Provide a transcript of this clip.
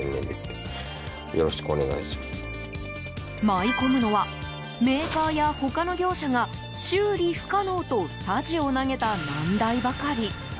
舞い込むのはメーカーや他の業者が修理不可能とさじを投げた難題ばかり。